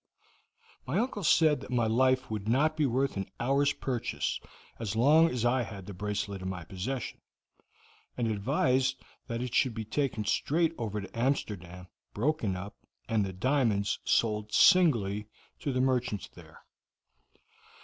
"My uncle said that my life would not be worth an hour's purchase so long as I had the bracelet in my possession, and advised that it should be taken straight over to Amsterdam, broken up, and the diamonds sold singly to the merchants there."